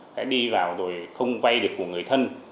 sẽ đi vào rồi không vay được của người thân